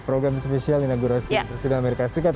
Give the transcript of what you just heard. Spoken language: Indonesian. program spesial ina gurasin presiden amerika serikat